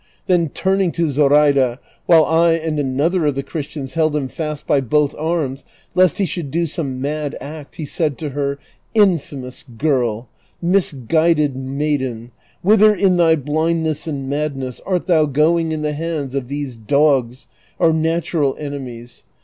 Then tui iiiug to Zoraida, while I and another of the Christians held him fast by both arms, lest he should do some mad act, he said to her, "Infamous girl, misguided maiden, whither in thy blindness and madness art thou going in the hands of these dogs, our natural enemies?